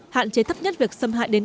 hạn chế thấp nhất việc xâm hại đến